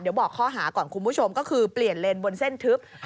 เดี๋ยวบอกข้อหาก่อนคุณผู้ชมก็คือเปลี่ยนเลนบนเส้นทึบ